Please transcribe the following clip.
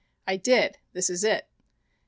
I did. This is it: No.